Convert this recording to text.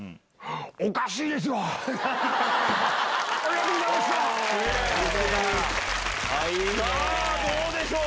おかしいでしょ。